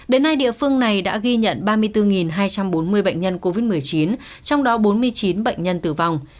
đến nay địa phương này đã ghi nhận ba mươi bốn hai trăm bốn mươi bệnh nhân covid một mươi chín trong đó bốn mươi chín bệnh nhân tử vong